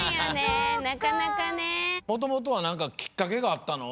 もともとはなんかきっかけがあったの？